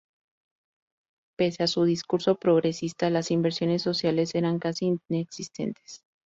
Pese a su discurso progresista, las inversiones sociales eran casi inexistentes.